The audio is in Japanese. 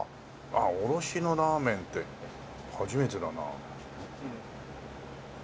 おろしのラーメンって初めてだな。